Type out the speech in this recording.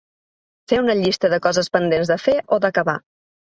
Fer una llista de coses pendents de fer o d’acabar.